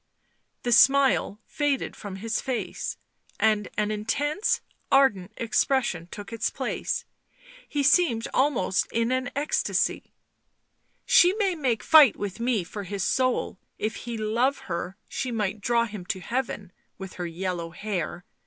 The smile faded from his face, and an intense, ardent expression took its place; he seemed almost in an ecstasy. " She may make fight with me for his soul — if he love her she might draw him to heaven — with her yellow hair